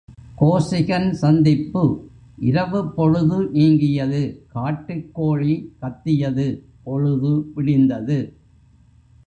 கோசிகன் சந்திப்பு இரவுப் பொழுது நீங்கியது காட்டுக் கோழி கத்தியது பொழுது விடிந்தது.